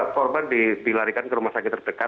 korban dilarikan ke rumah sakit terdekat